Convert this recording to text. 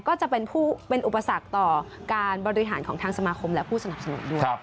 ก็จะเป็นอุปสรรคต่อการบริหารของทางสมาคมและผู้สนับสนุนด้วย